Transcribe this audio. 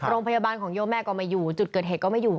โรงพยาบาลของโยแม่ก็ไม่อยู่จุดเกิดเหตุก็ไม่อยู่